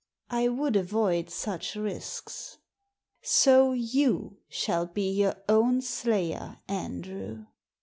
I would avoid such risks. So you shall be your own slayer, Andrew.